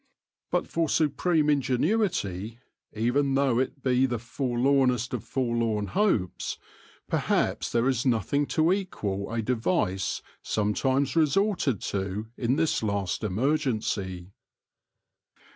But for supreme ingenuity, even though it be the forlornest of forlorn hopes, perhaps there is nothing to equal a device sometimes resorted to in this last emergency.